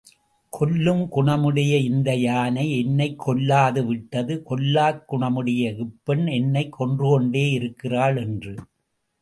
கொல்லும் குணமுடைய இந்த யானை என்னைக் கொல்லாது விட்டது கொல்லாக் குணமுடைய இப்பெண், என்னைக் கொன்றுகொண்டே இருக்கிறாள் என்று.